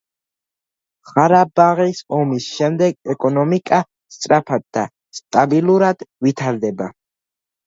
ყარაბაღის ომის შემდეგ ეკონომიკა სწრაფად და სტაბილურად ვითარდება.